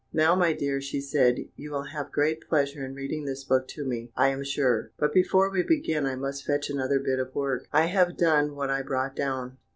"Now, my dear," she said, "you will have great pleasure in reading this book to me, I am sure; but before we begin I must fetch another bit of work: I have done what I brought down."